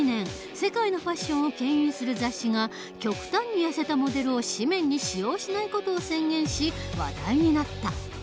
世界のファッションをけん引する雑誌が極端にやせたモデルを紙面に使用しない事を宣言し話題になった。